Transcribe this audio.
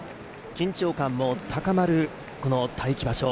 緊張感も高まるこの待機場所。